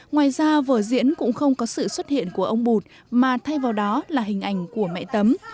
ngoài ra vở diễn cũng không có sự xuất hiện của ông bụt mà thay vào đó là hình ảnh của mẹ tấm